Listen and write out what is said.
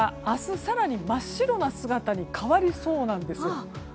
更に真っ白な姿に変わりそうです。